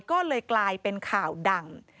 ก็เลยกลายเป็นข่าวดัง